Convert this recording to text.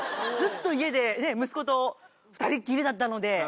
ずっと家でね息子と２人きりだったので。